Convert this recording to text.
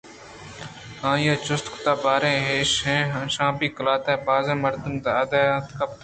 آئیءَ جسُت کُت باریں انشپی قلات ءِ بازیں مردمے اِدا کیت